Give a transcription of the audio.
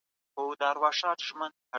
نړۍ يو کلی دی.